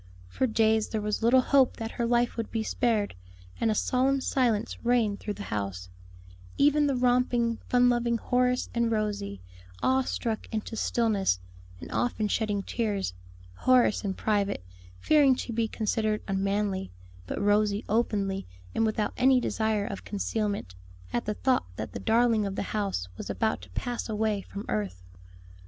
For days there was little hope that her life would be spared, and a solemn silence reigned through the house; even the romping, fun loving Horace and Rosie, awe struck into stillness, and often shedding tears Horace in private, fearing to be considered unmanly, but Rosie openly and without any desire of concealment at the thought that the darling of the house was about to pass away from earth.